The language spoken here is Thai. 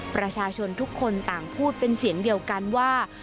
ประชาชนทุกคนต่างพูดเป็นเสียงเดียวกันว่า